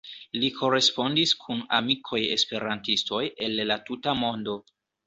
Li korespondis kun amikoj-esperantistoj el la tuta mondo.